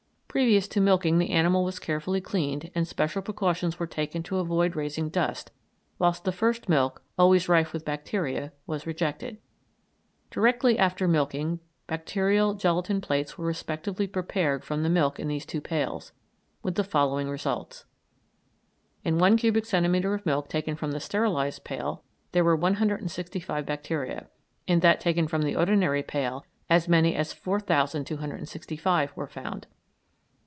Previous to milking the animal was carefully cleaned, and special precautions were taken to avoid raising dust, whilst the first milk, always rife with bacteria, was rejected. Directly after milking bacterial gelatine plates were respectively prepared from the milk in these two pails, with the following results: In one cubic centimetre of milk taken from the sterilised pail there were 165 bacteria; in that taken from the ordinary pail as many as 4,265 were found.